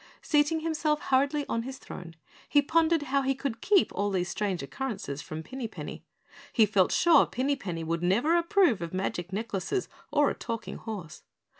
Seating himself hurriedly on his throne, he pondered how he could keep all these strange occurrences from Pinny Penny. He felt sure Pinny Penny would never approve of magic necklaces or a talking horse.